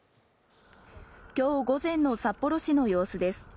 今日午前の札幌市の様子です。